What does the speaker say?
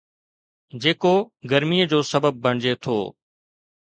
جيڪو گرميءَ جو سبب بڻجي ٿو